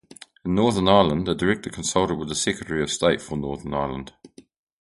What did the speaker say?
In Northern Ireland, the Director consulted with the Secretary of State for Northern Ireland.